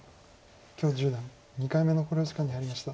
許十段２回目の考慮時間に入りました。